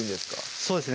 そうですね